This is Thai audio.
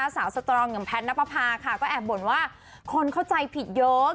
สตรองอย่างแพทย์นับประพาค่ะก็แอบบ่นว่าคนเข้าใจผิดเยอะ